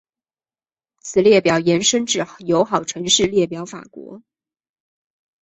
此列表延伸至友好城市列表法国。